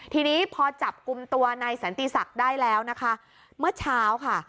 ทีนี้พอจับกลุ่มตัวนายสันติศักดิ์ได้แล้วนะคะเมื่อเช้าค่ะ